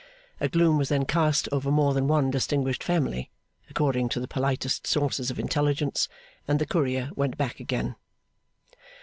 A gloom was then cast over more than one distinguished family (according to the politest sources of intelligence), and the Courier went back again.